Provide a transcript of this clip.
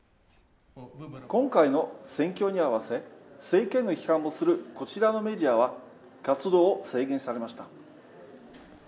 今回の選挙にあわせ政権の批判もするこちらのメディアは、活動を制限されました。